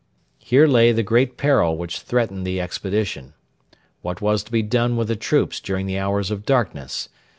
Here lay the great peril which threatened the expedition. What was to be done with the troops during the hours of darkness?